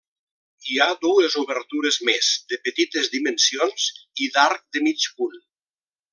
Hi ha dues obertures més de petites dimensions i d'arc de mig punt.